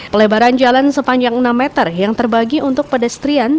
pelebaran jalan sepanjang enam meter yang terbagi untuk pedestrian